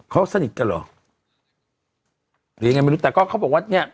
เขาสนิทกันเหรอหรือยังไงไม่รู้แต่ก็เขาบอกว่าเนี้ย